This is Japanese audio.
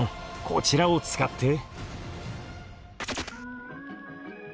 こちらを使って。